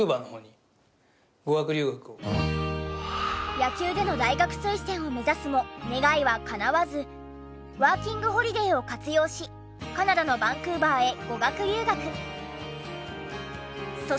野球での大学推薦を目指すも願いはかなわずワーキングホリデーを活用しカナダのバンクーバーへ語学留学。